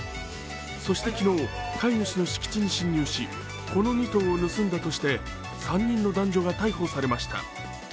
そして昨日、飼い主の敷地に侵入しこの２頭を盗んだとして、３人の男女が逮捕されました。